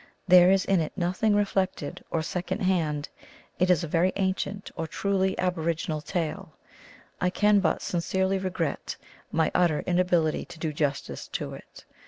There is in it nothing reflected or second hand ; it is a very ancient or truly aboriginal tale. I can but sincerely regret my utter inability to do justice to it.